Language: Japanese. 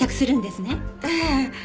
ええ。